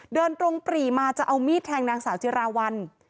เดินตรงปรีมาจะเอามีดแทงนางสาวจิราวัล